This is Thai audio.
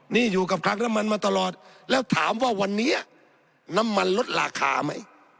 นี่อยู่กับคลังน้ำมันมาตลอดแล้วถามว่าวันนี้น้ำมันลดราคาไหม